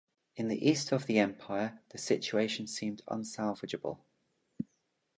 In the east of the Empire, the situation seemed unsalvagable.